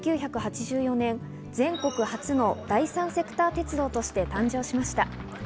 １９８４年、全国初の第三セクター鉄道として誕生しました。